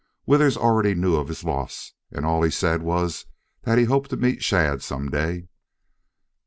Withers already knew of his loss, and all he said was that he hoped to meet Shadd some day.